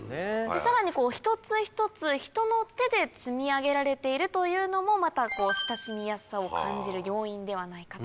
さらに一つ一つ人の手で積み上げられているというのもまた親しみやすさを感じる要因ではないかと。